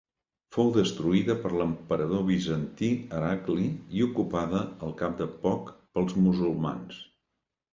Fou destruïda per l'emperador bizantí Heracli i ocupada al cap de poc pels musulmans.